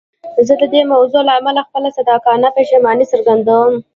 زه د دې موضوع له امله خپله صادقانه پښیماني څرګندوم.